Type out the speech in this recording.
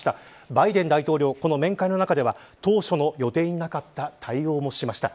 バイデン大統領はこの面会の中では当初の予定になかった対応もしました。